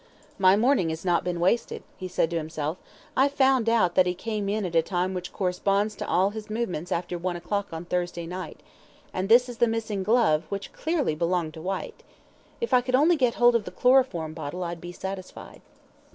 "My morning has not been wasted," he said to himself. "I've found out that he came in at a time which corresponds to all his movements after one o'clock on Thursday night, and this is the missing glove, which clearly belonged to Whyte. If I could only get hold of the chloroform bottle I'd be satisfied."